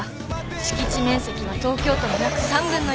敷地面積は東京都の約３分の１。